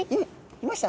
いました？